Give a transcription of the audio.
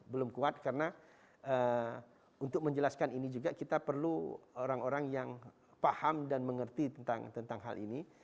belum kuat karena untuk menjelaskan ini juga kita perlu orang orang yang paham dan mengerti tentang hal ini